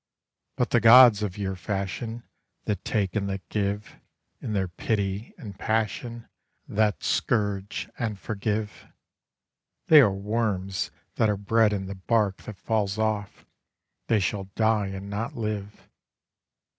But the Gods of your fashion That take and that give, In their pity and passion That scourge and forgive, They are worms that are bred in the bark that falls off; they shall die and not live.